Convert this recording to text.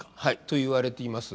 と言われています。